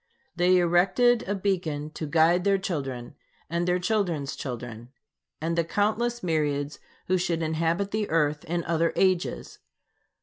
They erected a beacon to guide their children, and their children's children, and the countless myriads who should inhabit the earth in other ages.